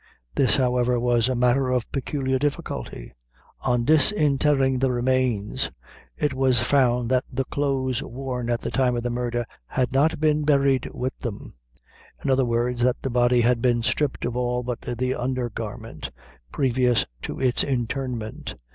This, however, was a matter of peculiar difficulty. On disinterring the remains, it was found that the clothes worn at the time of the murder had not been buried with them in other words, that the body had been stripped of all but the under garment, previous to its interment.